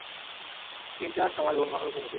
তিনটার সময় ঘুম ভাঙল কুমুদের।